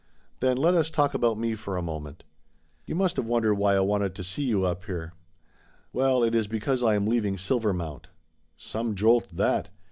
Then let us talk about me for a moment. You must have 192 Laughter Limited wondered why I wanted to see you up here. Well, it is because I am leaving Silvermount!" Some jolt, that!